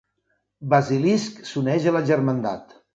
Basilisk s'uneix a la germandat.